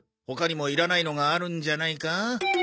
他にもいらないのがあるんじゃないか？